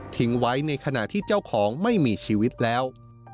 ไว้ในขณะที่เจ้าของไม่มีชีวิตแล้ว